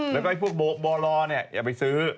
แล้วก็พวกบ่อลออย่าไปซื้อ